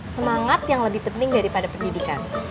semangat yang lebih penting daripada pendidikan